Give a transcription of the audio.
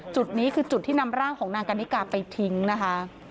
จุดนี้คือจุดที่นำร่างของนางกันนิกาไปทิ้งนะคะ